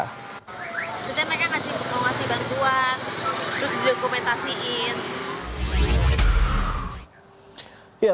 mereka masih mau ngasih bantuan terus didokumentasiin